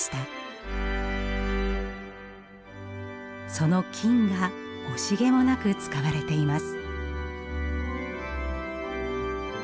その金が惜しげもなく使われています。